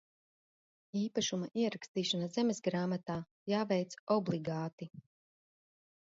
Īpašuma ierakstīšana zemesgrāmatā jāveic obligāti.